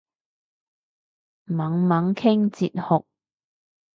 猛猛傾哲學